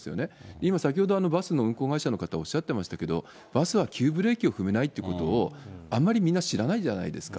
今、先ほどバスの運行会社の方、おっしゃってましたけど、バスは急ブレーキを踏めないということを、あんまりみんな知らないじゃないですか。